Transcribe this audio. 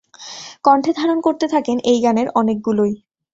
কণ্ঠে ধারণ করতে থাকেন এই গানের অনেকগুলোই।